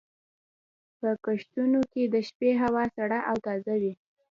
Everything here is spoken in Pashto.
په کښتونو کې د شپې هوا سړه او تازه وي.